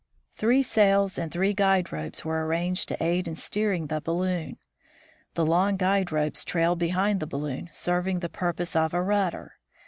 Three sails and three guide ropes were arranged to aid in steering the balloon. The long guide ropes trailed behind the balloon, serving the purpose of a rudder.